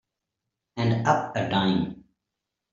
And up a dime.